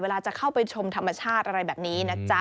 จะเข้าไปชมธรรมชาติอะไรแบบนี้นะจ๊ะ